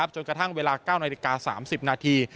จนกระทั่งเวลา๙นาฬิกา๓๐นาที